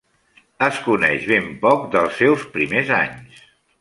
Es coneix ben poc dels seus primers anys.